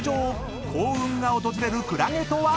［幸運が訪れるクラゲとは⁉］